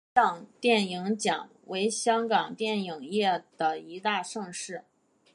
香港电影金像奖为香港电影业的一大盛事。